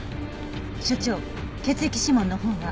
所長血液指紋のほうは？